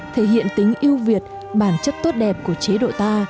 thể hiện tính yêu việt bản chất tốt đẹp của chế độ ta